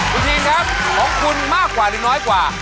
คุณทีมครับของคุณมากกว่าหรือน้อยกว่า